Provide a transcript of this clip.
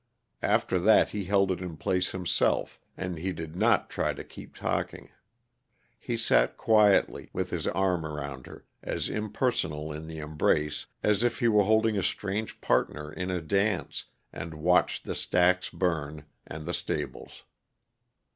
After that he held it in place himself, and he did not try to keep talking. He sat quietly, with his arm around her, as impersonal in the embrace as if he were holding a strange partner in a dance, and watched the stacks burn, and the stables.